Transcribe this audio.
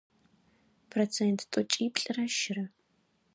Процент тӏокӏиплӏрэ щырэ .